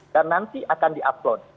dan nanti akan di upload